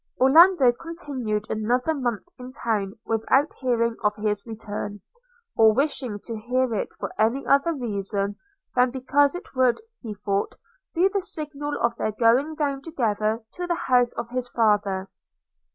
Orlando continued another month in town without hearing of his return, or wishing to hear it for any other reason than because it would, he thought, be the signal of their going down together to the house of his father.